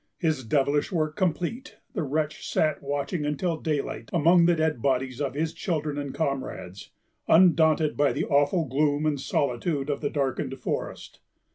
His devilish work complete, the wretch sat watching until daylight among the dead bodies of his children and comrades, undaunted by the awful gloom and solitude of the darkened forest.